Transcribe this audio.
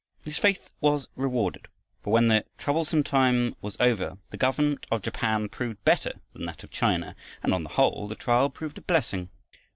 His faith was rewarded, for when the troublous time was over, the government of Japan proved better than that of China, and on the whole the trial proved a blessing.